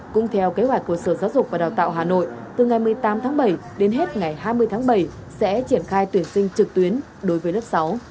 cũng theo kế hoạch của sở giáo dục và đào tạo hà nội từ ngày một mươi tám tháng bảy đến hết ngày hai mươi tháng bảy sẽ triển khai tuyển sinh trực tuyến đối với lớp sáu